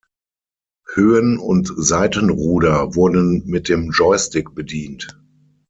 Höhen- und Seitenruder wurden mit dem Joystick bedient.